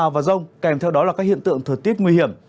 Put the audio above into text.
mưa rào và rông kèm theo đó là các hiện tượng thừa tiết nguy hiểm